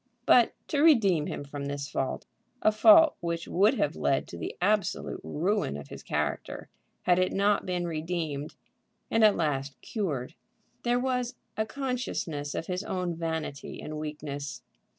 But, to redeem him from this fault, a fault which would have led to the absolute ruin of his character had it not been redeemed and at last cured, there was a consciousness of his own vanity and weakness.